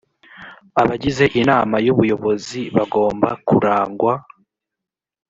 abagize inama y ubuyobozi bagomba kurangwa